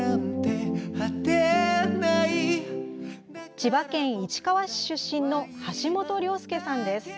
千葉県市川市出身の橋本良亮さんです。